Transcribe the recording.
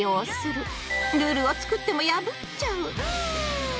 ルールを作っても破っちゃう。